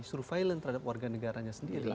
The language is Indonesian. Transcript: surveillance terhadap warga negaranya sendiri